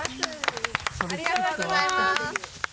ありがとうございます。